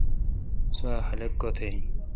سوا خلق کوتھ این۔